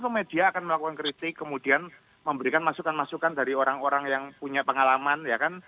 media akan melakukan kritik kemudian memberikan masukan masukan dari orang orang yang punya pengalaman ya kan